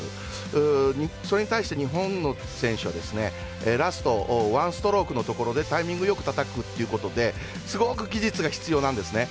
それに対して日本選手はラストワンストロークのところでタイミングよくたたくということですごく技術が必要なんですね。